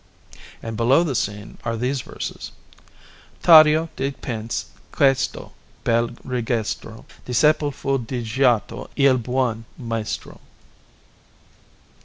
And below the scene are these verses: TADDEO DIPINSE QUESTO BEL RIGESTRO; DISCEPOL FU DI GIOTTO IL BUON MAESTRO.